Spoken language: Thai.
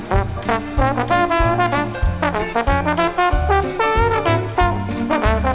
สวัสดีครับ